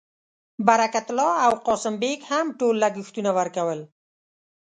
برکت الله او قاسم بېګ هم ټول لګښتونه ورکول.